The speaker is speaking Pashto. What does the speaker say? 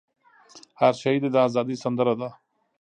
هر شهید ئې د ازادۍ سندره ده